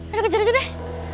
aduh kejar aja deh